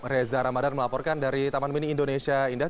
reza ramadan melaporkan dari taman mini indonesia indah